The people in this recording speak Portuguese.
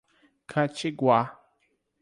Catiguá